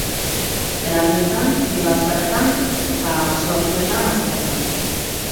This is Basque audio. Belardietan, bide bazterretan eta baso ertzetan hazten da.